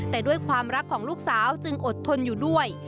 แต่ด้วยความรักของลูกสาวจึงอดทนอยู่ด้วย